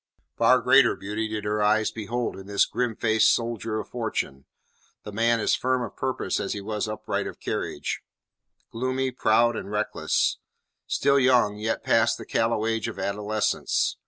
Far greater beauty did her eyes behold in this grimfaced soldier of fortune; the man as firm of purpose as he was upright of carriage; gloomy, proud, and reckless; still young, yet past the callow age of adolescence.